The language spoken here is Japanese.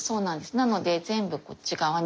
なので全部こっち側に。